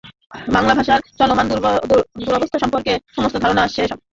বাংলা ভাষার চলমান দুরবস্থা সম্পর্কে সম্যক ধারণা আশা করি আমাদের অনেকেরই আছে।